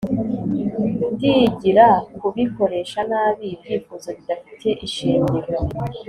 ndigira, kubikoresha nabi, ibyifuzo bidafite ishingiro